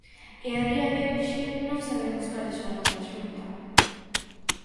E a día de hoxe non sabemos cales son os da Xunta.